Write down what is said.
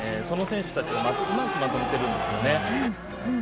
その選手たちをうまくまとめているんですよね。